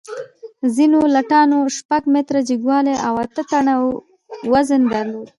ځینو لټانو شپږ متره جګوالی او اته ټنه وزن درلود.